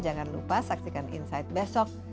jangan lupa saksikan insight besok